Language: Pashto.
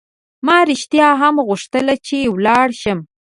ما رښتیا هم غوښتل چې ولاړ شم.